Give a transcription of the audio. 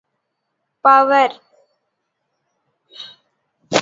Power?